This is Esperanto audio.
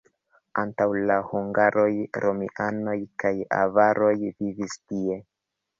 Antaŭ la hungaroj romianoj kaj avaroj vivis tie.